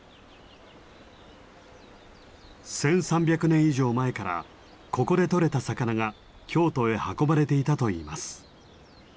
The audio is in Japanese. １，３００年以上前からここで取れた魚が京都へ運ばれていたといいます。